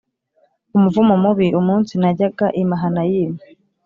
umuvumo mubi umunsi najyaga i Mahanayimu